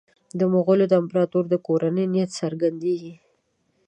د مغولو د امپراطور د کورنۍ نیت څرګندېږي.